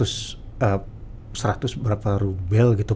seratus berapa rubel gitu